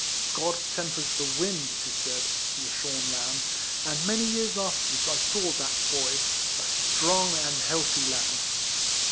God tempers the wind, it is said, to the shorn lamb ; and many years afterwards I saw that boy. a strong and healthy lad.